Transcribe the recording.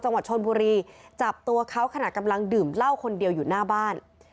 จังหวัดชนบุรีจับตัวเขาขณะกำลังดื่มเหล้าคนเดียวอยู่หน้าบ้าน